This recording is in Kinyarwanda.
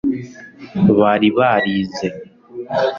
bari barize